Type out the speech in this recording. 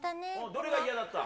どれが嫌だった？